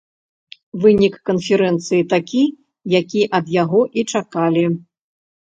Вынік канферэнцыі такі, які ад яго і чакалі.